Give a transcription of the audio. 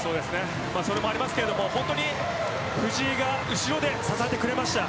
それもありますけど藤井が後ろで支えてくれました。